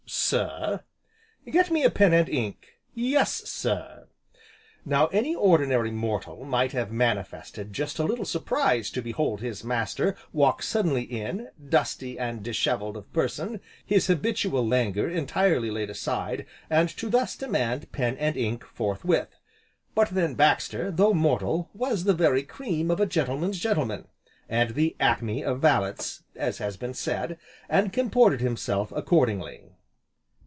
"Sir?" "Get me a pen, and ink!" "Yes, sir." Now any ordinary mortal might have manifested just a little surprise to behold his master walk suddenly in, dusty and dishevelled of person, his habitual languor entirely laid aside, and to thus demand pen and ink, forthwith. But then, Baxter, though mortal, was the very cream of a gentleman's gentleman, and the acme of valets, (as has been said), and comported himself accordingly.